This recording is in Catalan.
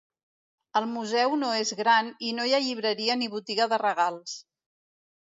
El museu no és gran i no hi ha llibreria ni botiga de regals.